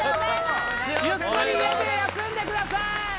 ゆっくり家で休んでください